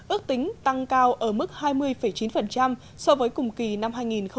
ước tính tăng cao ở mức hai mươi chín so với cùng kỳ năm hai nghìn một mươi chín